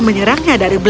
dengan bangkalan oo